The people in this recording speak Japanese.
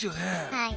はい。